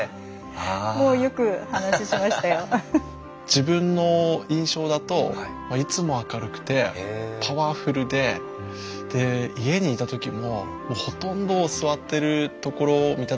自分の印象だといつも明るくてパワフルでで家にいた時もほとんど座ってるところを見た時なくて。